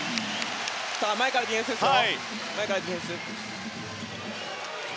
前からディフェンスですよ。